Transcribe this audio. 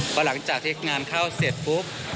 พอหลังจากที่งานเข้าเสร็จปุ๊บ